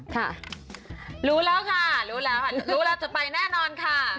ชินรู้แล้วค่ะจะไปแน่นอนค่ะ